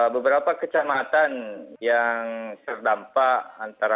beberapa kecamatan yang terdampak antara